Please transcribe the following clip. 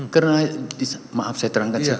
karena maaf saya terangkan